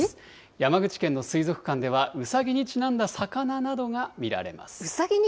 山口県の水族館では、うさぎにちなんだ魚などが見られます。